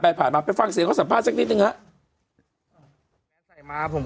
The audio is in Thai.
ผ่านมาไปฟังเสียงเขาสัมภาษณสักนิดนึงฮะ